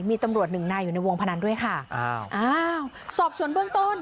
มีตำรวจหนึ่งนายอยู่ในวงพนันด้วยค่ะอ้าวอ้าวสอบส่วนเบื้องต้น